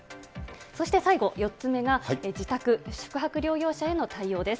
そして最後、４つ目が、自宅・宿泊療養者への対応です。